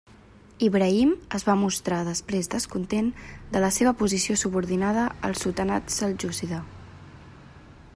Ibrahim es va mostrar després descontent de la seva posició subordinada al sultanat seljúcida.